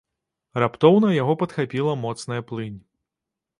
Раптоўна яго падхапіла моцная плынь.